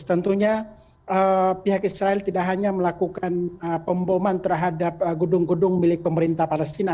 tentunya pihak israel tidak hanya melakukan pemboman terhadap gedung gedung milik pemerintah palestina